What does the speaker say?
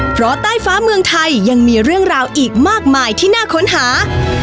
เพราะใต้ฟ้าเมืองไทยยังมีเรื่องราวอีกมากมายที่น่าค้นหา